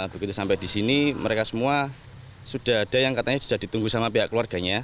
begitu sampai di sini mereka semua sudah ada yang katanya sudah ditunggu sama pihak keluarganya